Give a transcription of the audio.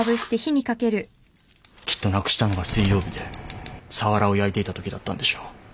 きっとなくしたのが水曜日でサワラを焼いていたときだったんでしょう。